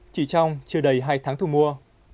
chỉ trong chưa đầy hai tháng thu mua